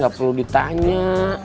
gak perlu ditanya